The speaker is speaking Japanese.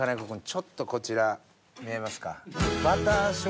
君ちょっとこちら見えますか？